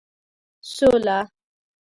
سوله